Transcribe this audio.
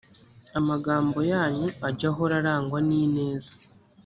amagambo yanyu ajye ahora arangwa n ineza